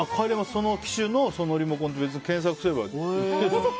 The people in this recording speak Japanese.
その機種のそのリモコンって検索すれば売ってます。